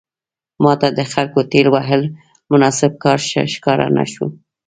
ماته د خلکو ټېل وهل مناسب کار ښکاره نه شو.